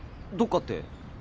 どっかって？